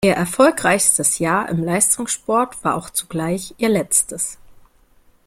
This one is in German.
Ihr erfolgreichstes Jahr im Leistungssport war auch zugleich ihr letztes.